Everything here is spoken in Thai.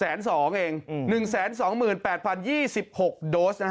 ๑๒๐๐๐๐เอง๑๒๘๐๒๖โดส